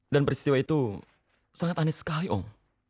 peristiwa itu sangat aneh sekali om